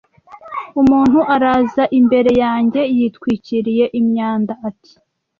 Umuntu araza imbere yanjye yitwikiriye imyanda ati